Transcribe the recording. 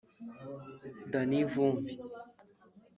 Danny Vumbi